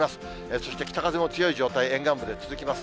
そして北風も強い状態、沿岸部で続きます。